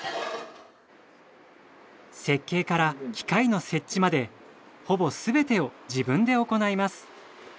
設計から機械の設置までほぼ全てを自分で行います。